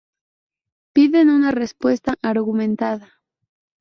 piden una respuesta argumentada